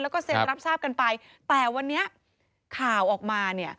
แล้วก็เซ็นรับทราบกันไปแต่วันนี้ข่าวออกมาเนี่ย